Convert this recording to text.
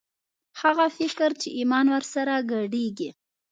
هغه فکر چې ایمان ور سره ګډېږي